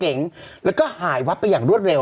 เกาะกระโปรงหน้ารถเก๋งแล้วก็หายวับไปอย่างรวดเร็ว